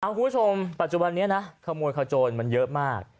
คุณผู้ชมปัจจุบันนี้นะขโมยขโจรมันเยอะมาก